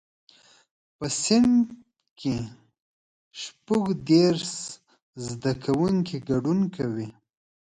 په صنف کې شپږ دیرش زده کوونکي ګډون کوي.